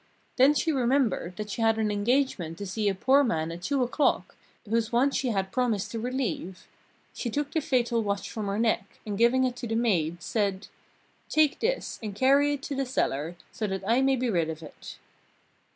Then she remembered that she had an engagement to see a poor man at two o'clock, whose want she had promised to relieve. She took the fatal watch from her neck, and giving it to the maid, said: "Take this, and carry it to the cellar, so that I may be rid of it!"